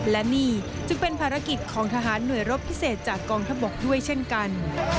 และนี่จึงเป็นภารกิจของทหารหน่วยรบพิเศษจากกองทัพบกด้วยเช่นกัน